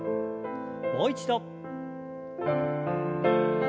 もう一度。